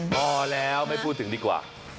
พอแล้วไม่พูดถึงดีกว่า